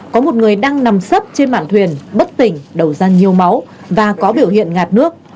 có một người đang nằm sấp trên mảng thuyền bất tỉnh đầu ra nhiều máu và có biểu hiện ngạt nước